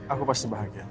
aku pasti bahagia